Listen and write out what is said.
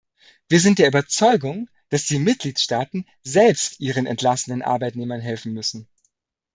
Wir sind der Überzeugung, dass die Mitgliedstaaten selbst ihren entlassenen Arbeitnehmern helfen müssen.